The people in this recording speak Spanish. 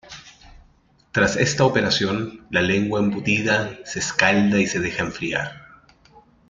Tras esta operación la lengua embutida se escalda y se deja enfriar.